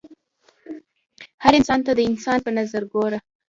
هر انسان ته د انسان په نظر ګوره